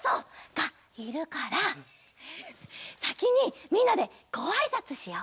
がいるからさきにみんなでごあいさつしよう。